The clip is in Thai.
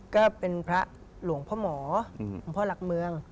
ก็เป็นพระหลวงพ่อหมอหลวงพ่อหลักเมือง